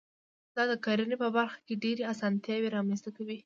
دا د کرنې په برخه کې ډېرې اسانتیاوي رامنځته کوي.